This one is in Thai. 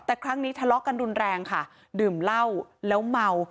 แต่ครั้งนี้ทะเลาะกันรุนแรงค่ะดื่มเหล้าแล้วเมา